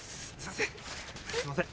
すいません。